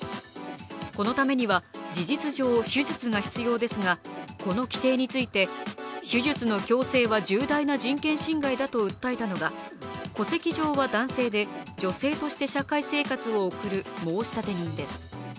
このためには、事実上、手術が必要ですがこの規定について手術の強制は重大な人権侵害だと訴えたのが戸籍上は男性で女性として社会生活を送る申立人です。